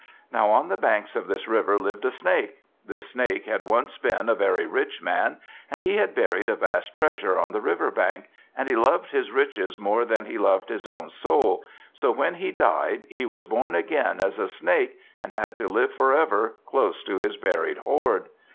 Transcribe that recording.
Now on the banks of this river lived a Snake. This Snake had once been a very rich man, and he had buried a vast treasure on the river bank; and he loved his riches more than he loved his own soul, so when he died, he was born again as a Snake, and had to live for ever close to his buried hoard.